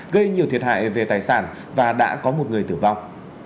gây nhiều thiệt hại về tài sản và đã có một người tử vong